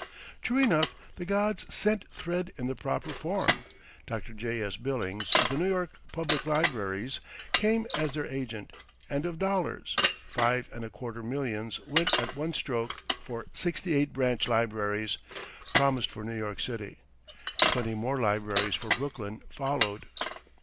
True enough, the gods sent thread in the proper form. Dr. J.S. Billings, of the New York Public Libraries, came as their agent, and of dollars, five and a quarter millions went at one stroke for sixty eight branch libraries, promised for New York City. Twenty more libraries for Brooklyn followed.